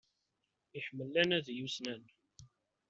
Iḥemmel anadi ussnan.